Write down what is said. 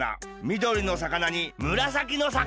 みどりのさかなにむらさきのさかなだ！